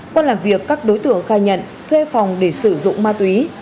qua làm việc các đối tượng khai nhận thuê phòng để sử dụng ma túy